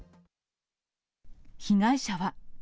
被害者は。